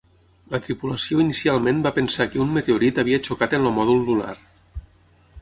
La tripulació inicialment va pensar que un meteorit havia xocat amb el mòdul lunar.